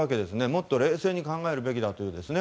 もっと冷静に考えるべきだという。